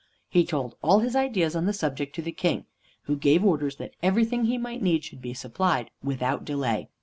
He told all his ideas on the subject to the King, who gave orders that everything he might need should be supplied without delay.